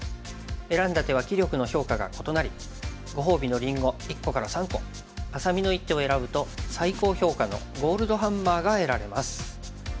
選んだ手は棋力の評価が異なりご褒美のりんご１個から３個愛咲美の一手を選ぶと最高評価のゴールドハンマーが得られます。